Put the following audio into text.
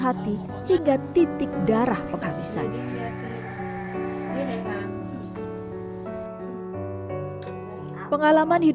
bertahap dengan kebebasan seorang ibu yang memiliki keutuhan untuk mengambil keuatan untuk ibu